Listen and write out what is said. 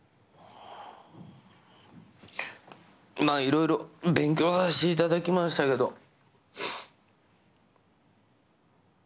まあ、いろいろ勉強させていただきましたけど。